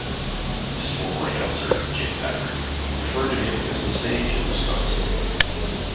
His former announcer, Jim Packard, referred to him as The Sage of Wisconsin.